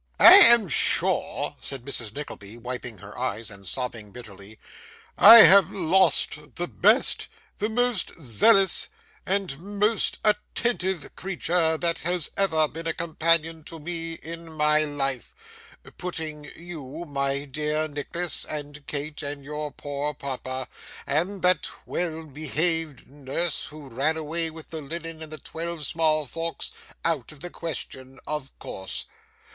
'I am sure,' said Mrs. Nickleby, wiping her eyes, and sobbing bitterly, 'I have lost the best, the most zealous, and most attentive creature that has ever been a companion to me in my life putting you, my dear Nicholas, and Kate, and your poor papa, and that well behaved nurse who ran away with the linen and the twelve small forks, out of the question, of course.